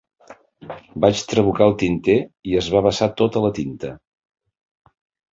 Vaig trabucar el tinter i es va vessar tota la tinta.